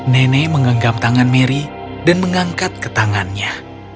nenek mengenggam tangan mary dan mengangkat ke tangannya